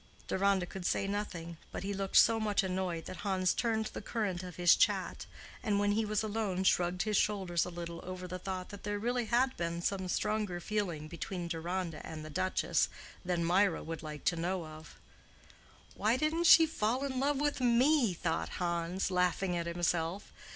Deronda could say nothing, but he looked so much annoyed that Hans turned the current of his chat, and when he was alone shrugged his shoulders a little over the thought that there really had been some stronger feeling between Deronda and the duchess than Mirah would like to know of. "Why didn't she fall in love with me?" thought Hans, laughing at himself.